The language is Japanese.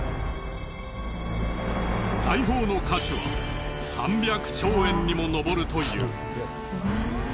財宝の価値は３００兆円にものぼるという。